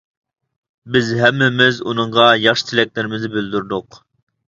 بىز ھەممىمىز ئۇنىڭغا ياخشى تىلەكلىرىمىزنى بىلدۈردۇق.